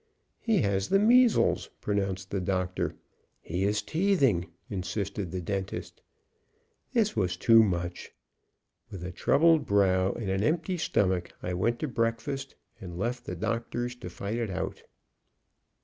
"He has the measles," pronounced the doctor. "He is teething," insisted the dentist. This was too much; with a troubled brow and an empty stomach I went to breakfast, and left the doctors to fight it out.